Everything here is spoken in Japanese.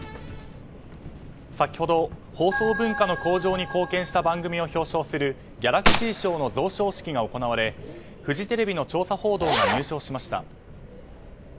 先ほど、放送文化の向上に貢献した番組を表彰するギャラクシー賞の贈賞式が行われフジテレビの調査報道が入賞しました。